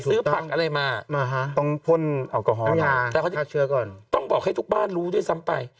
ซื้อผักอะไรมาต้องพ่นแอลกอฮอล์แต่เขาจะบอกให้ทุกบ้านรู้ด้วยซ้ำไป